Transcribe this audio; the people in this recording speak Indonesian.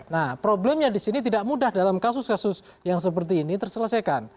nah problemnya di sini tidak mudah dalam kasus kasus yang seperti ini terselesaikan